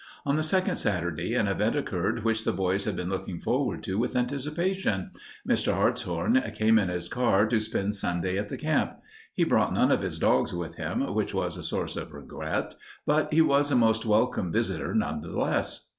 On the second Saturday an event occurred which the boys had been looking forward to with anticipation. Mr. Hartshorn came in his car to spend Sunday at the camp. He brought none of his dogs with him, which was a source of regret, but he was a most welcome visitor, nevertheless.